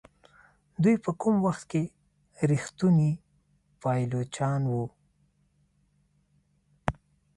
دوی په کوم وخت کې ریښتوني پایلوچان وو.